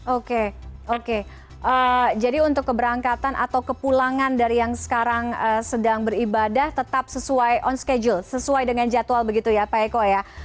oke oke jadi untuk keberangkatan atau kepulangan dari yang sekarang sedang beribadah tetap sesuai on schedule sesuai dengan jadwal begitu ya pak eko ya